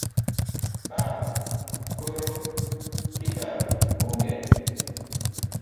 Baba:koro? Kitaru: ong'e